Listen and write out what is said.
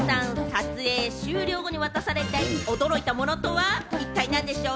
撮影終了後に渡されて驚いたものとは一体なんでしょう？